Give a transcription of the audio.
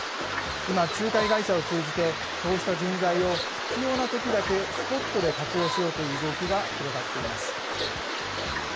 今、仲介会社を通じて、そうした人材を必要なときだけスポットで活用しようという動きが広がっています。